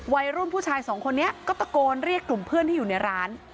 วัยรุ่นผู้ชายสองคนนี้ก็ตะโกนเรียกกลุ่มเพื่อนที่อยู่ในร้าน